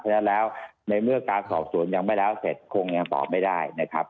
เพราะฉะนั้นแล้วในเมื่อการสอบสวนยังไม่แล้วเสร็จคงยังตอบไม่ได้นะครับ